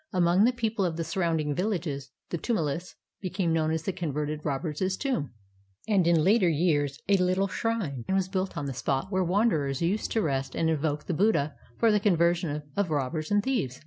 Among the people of the surrounding villages the tumulus became known as "The Converted Robber's Tomb," and in later years a little shrine was built on the spot where wanderers used to rest and invoke the Buddha for the conversion of robbers and thieves.